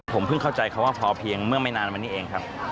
ผมเพิ่งเข้าใจคำว่าพอเพียงเมื่อไม่นานมานี้เองครับ